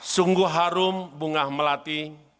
sungguh harum bunga melati